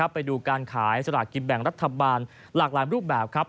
ไปดูการขายสลากกินแบ่งรัฐบาลหลากหลายรูปแบบครับ